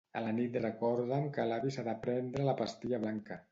A la nit recorda'm que l'avi s'ha de prendre la pastilla blanca.